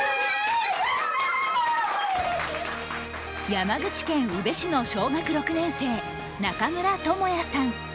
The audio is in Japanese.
山口県宇部市の小学６年生中村智弥さん。